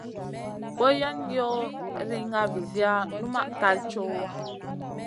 Boyen yoh riŋa viziya, numaʼ kal cowa.